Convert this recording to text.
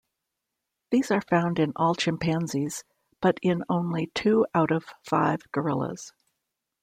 These are found in all chimpanzees but in only two out of five gorillas.